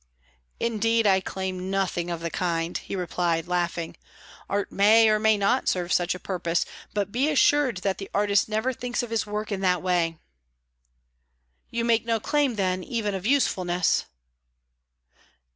"Indeed, I claim nothing of the kind," he replied, laughing. "Art may, or may not, serve such a purpose; but be assured that the artist never thinks of his work in that way." "You make no claim, then, even of usefulness?"